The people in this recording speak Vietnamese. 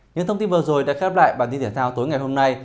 những thông tin vừa rồi đã khép lại bản tin thể thao tối ngày hôm nay